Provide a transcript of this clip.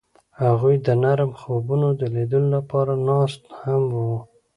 هغوی د نرم خوبونو د لیدلو لپاره ناست هم وو.